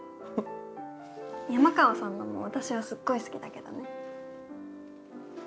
山川さんのも私はすっごい好きだけどね。